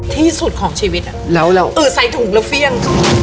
ที่สุดของชีวิตใส่ถุงแล้วเฟี่ยง